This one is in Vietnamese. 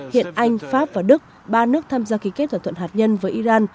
hiện anh pháp và đức ba nước tham gia ký kết thỏa thuận hạt nhân với iran